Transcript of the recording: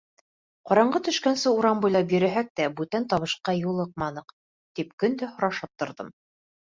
Ҡараңғы төшкәнсә урам буйлап йөрөһәк тә, бүтән табышҡа юлыҡманыҡ. — тип көн дә һорашып торҙом.